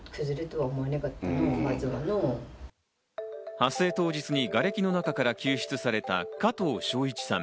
発生当日にがれきの中から救出された加藤省一さん。